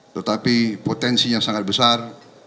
tetapi potensinya sangat besar